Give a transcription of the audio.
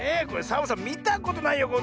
これサボさんみたことないよ